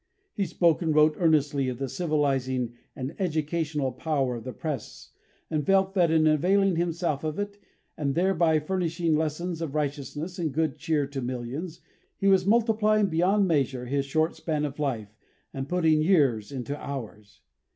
He spoke and wrote earnestly of the civilising and educational power of the press, and felt that in availing himself of it and thereby furnishing lessons of righteousness and good cheer to millions, he was multiplying beyond measure his short span of life and putting years into hours.